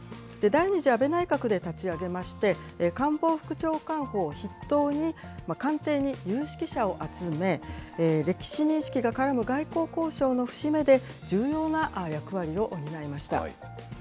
第２次安倍内閣で立ち上げまして、官房副長官補を筆頭に、官邸に有識者を集め、歴史認識が絡む外交交渉の節目で、重要な役割を担いました。